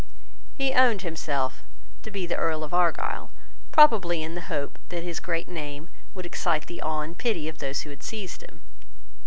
He owned himself to be the Earl of Argyle, probably in the hope that his great name would excite the awe and pity of those who had seized him.